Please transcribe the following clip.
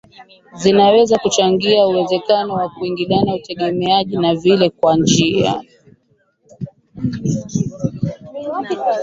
zinaweza kuchangia uwezekano wa kuingilia utegemeaji wa vileo kwa njia